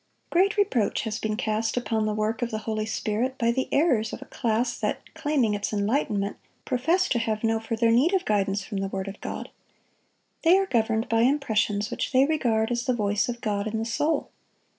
Great reproach has been cast upon the work of the Holy Spirit by the errors of a class that, claiming its enlightenment, profess to have no further need of guidance from the word of God. They are governed by impressions which they regard as the voice of God in the soul.